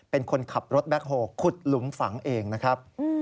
เป็นคนขับรถแบ็คโฮลขุดหลุมฝังเองนะครับ